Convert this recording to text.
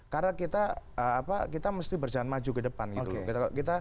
karena kita apa kita mesti berjalan maju ke depan gitu loh